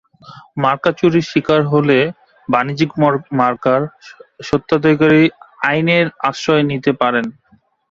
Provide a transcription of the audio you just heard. মার্কা চুরির শিকার হলে বাণিজ্যিক মার্কার স্বত্বাধিকারী আইনের আশ্রয় নিতে পারেন।